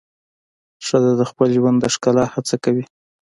ښځه د خپل ژوند د ښکلا هڅه کوي.